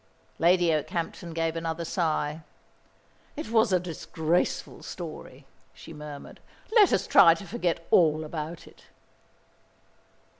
Lady Okehampton gave another sigh. "It was a disgraceful story," she murmured. "Let us try to forget all about it."